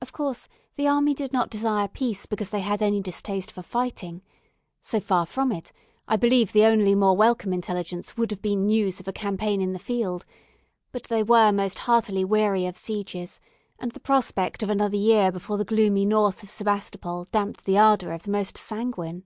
Of course the army did not desire peace because they had any distaste for fighting; so far from it, I believe the only more welcome intelligence would have been news of a campaign in the field, but they were most heartily weary of sieges, and the prospect of another year before the gloomy north of Sebastopol damped the ardour of the most sanguine.